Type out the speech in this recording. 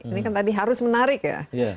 ini kan tadi harus menarik ya